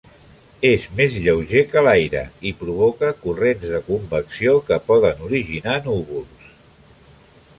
És més lleuger que l'aire i provoca corrents de convecció que poden originar núvols.